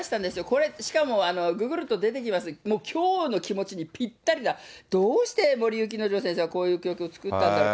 これ、しかもググると出てきますよ、きょうの気持ちにぴったりな、どうしてもりゆきのじょう先生はこういう曲作ったんだろう。